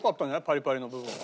パリパリの部分は。